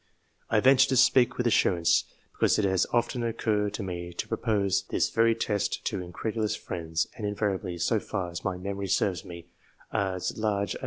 I venture to speak with assurance, because it has often occurred to me to propose this very test to incre dulous friends, and invariably, so far as my memory serves me, as large a.